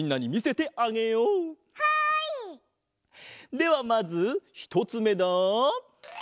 ではまずひとつめだ。